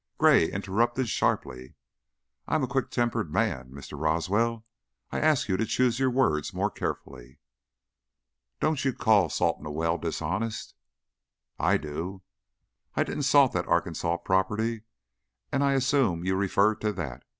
Gray interrupted, sharply. "I am a quick tempered man, Mr. Roswell. I'll ask you to choose your words more carefully." "Don't you call salting a well dishonest?" "I do. I didn't salt that Arkansas property and I assume you refer to that.